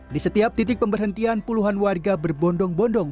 di setiap titik pemberhentian puluhan warga berbondong bondong